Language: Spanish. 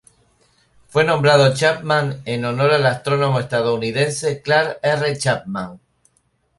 Fue nombrado Chapman en honor al astrónomo estadounidense Clark R. Chapman.